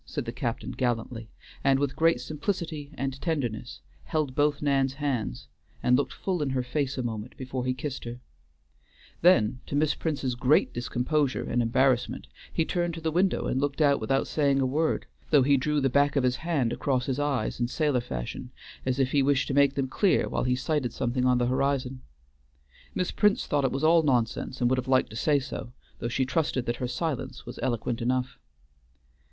said the captain gallantly, and with great simplicity and tenderness held both Nan's hands and looked full in her face a moment before he kissed her; then to Miss Prince's great discomposure and embarrassment he turned to the window and looked out without saying a word, though he drew the back of his hand across his eyes in sailor fashion, as if he wished to make them clear while he sighted something on the horizon. Miss Prince thought it was all nonsense and would have liked to say so, though she trusted that her silence was eloquent enough.